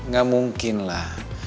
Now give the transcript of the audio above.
gak mungkin lah